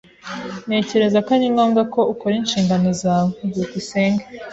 Ntekereza ko ari ngombwa ko ukora inshingano zawe. byukusenge